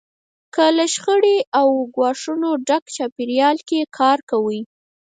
که له شخړې او ګواښونو ډک چاپېریال کې کار کوئ.